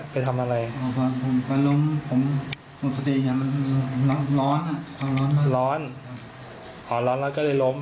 พอทางร้อนแล้วความร้อนก็เลยล้ม